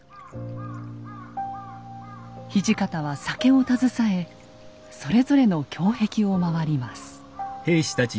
土方は酒を携えそれぞれの胸壁を回ります。